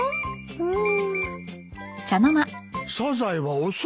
うん？